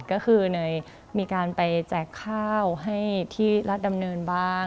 ก็คือเนยมีการไปแจกข้าวให้ที่รัฐดำเนินบ้าง